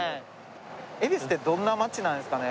恵比寿ってどんな街なんですかね？